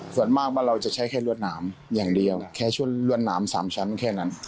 ส่วนมากว่าเราจะใช้แค่รวดหนามอย่างเดียวแค่ช่วงรวดหนาม๓ชั้นแค่นั้น